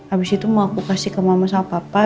abis itu mau aku kasih ke mama sama papa